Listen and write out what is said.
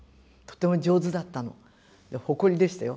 で誇りでしたよ。